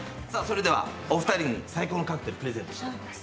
お二人に最高のカクテルをプレゼントします。